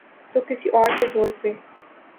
تو کسی اور کے زور پہ۔